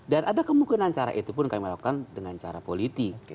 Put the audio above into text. dan ada kemungkinan cara itu pun kami melakukan dengan cara politik